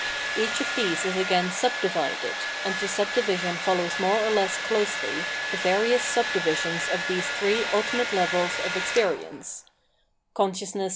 Each of these is again subdivided, and the subdivision follows mows or less closely the various subdivisions of these three ultimate levels of ex perience — Consciousness.